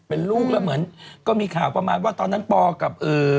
เป็นลูกแล้วเหมือนก็มีข่าวประมาณว่าตอนนั้นปอกับเอ่อ